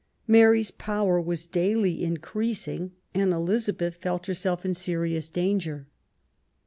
Mary's power was daily increasing, and Elizabeth felt herself in serious danger.